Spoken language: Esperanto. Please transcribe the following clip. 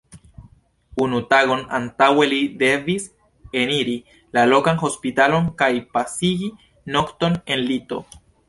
Unu tagon antaŭe li devis eniri la lokan hospitalon kaj pasigi nokton en lito.